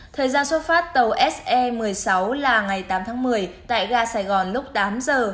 thời gian xuất phát tàu se một mươi sáu là ngày tám tháng một mươi tại ga sài gòn lúc tám giờ